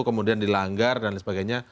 kemudian dilanggar dan lain sebagainya